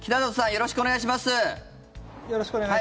よろしくお願いします。